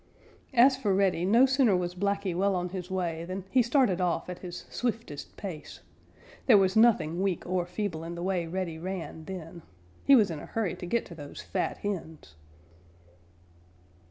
As for Reddy, no sooner was Blacky well on his way than he started off at his swiftest pace. There was nothing weak or feeble in the way Reddy ran then. He was in a hurry to get to those fat hens.